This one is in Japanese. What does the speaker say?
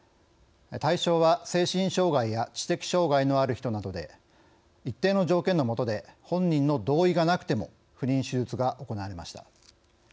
対象は、精神障害や知的障害のある人などで一定の条件のもとで本人の同意がなくても不妊手術が行われました。